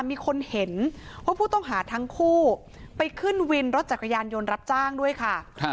มีคนเห็นว่าผู้ต้องหาทั้งคู่ไปขึ้นวินรถจักรยานยนต์รับจ้างด้วยค่ะ